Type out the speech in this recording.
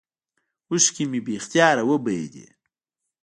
اوښكې مې بې اختياره وبهېدې.